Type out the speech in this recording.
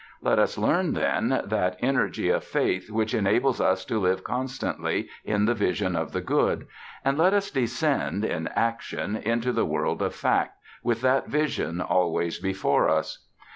Let us learn, then, that energy of faith which enables us to live constantly in the vision of the good; and let us descend, in action, into the world of fact, with that vision always before us.